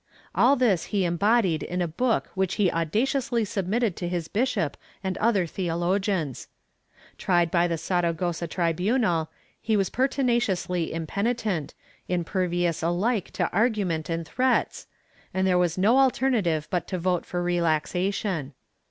All this he embodied in a book which he audaciously submitted to his bishop and other theologians. Tried by the Saragossa tribunal, he was pertinaciously impenitent, impervious alike to argument and threats, and there was no alternative but to vote for relaxation.